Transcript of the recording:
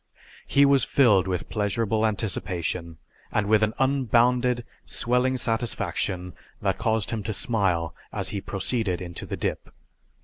He was filled with pleasurable anticipation, and with an unbounded swelling satisfaction that caused him to smile as he proceeded into the dip.